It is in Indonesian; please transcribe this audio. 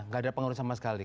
gak ada pengurus sama sekali